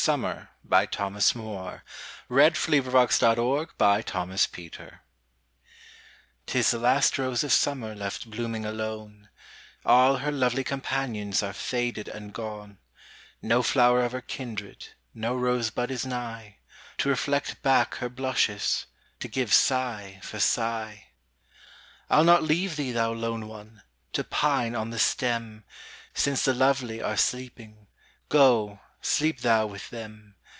1909ŌĆō14. Thomas Moore 487. The Last Rose of Summer ŌĆÖTIS the last rose of summer Left blooming alone; All her lovely companions Are faded and gone; No flower of her kindred, No rosebud is nigh, To reflect back her blushes, To give sigh for sigh. IŌĆÖll not leave thee, thou lone one! To pine on the stem; Since the lovely are sleeping, Go, sleep thou with them.